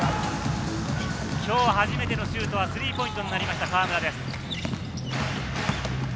今日初めてのシュートはスリーポイントになりました、河村です。